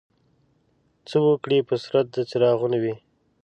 څه وګړي په صورت د څراغونو وي.